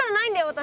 私。